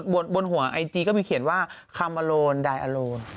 บนหัวไอจีก็มีเขียนว่าคามอโลนไดอโล